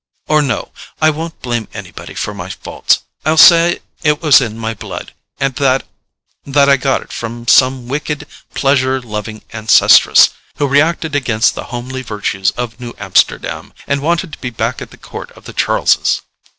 Or no—I won't blame anybody for my faults: I'll say it was in my blood, that I got it from some wicked pleasure loving ancestress, who reacted against the homely virtues of New Amsterdam, and wanted to be back at the court of the Charleses!"